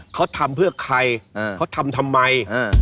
เขาทำเพื่อใครเขาทำทำไม